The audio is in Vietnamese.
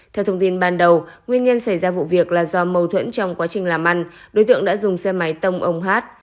theo thông tin ban đầu nguyên nhân xảy ra vụ việc là do mâu thuẫn trong quá trình làm ăn đối tượng đã dùng xe máy tông ông hát